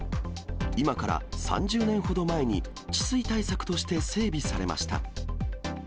今から３０年ほど前に、治水対策として整備されました。